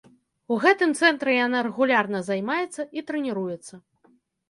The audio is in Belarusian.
У гэтым цэнтры яна рэгулярна займаецца і трэніруецца.